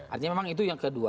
artinya memang itu yang kedua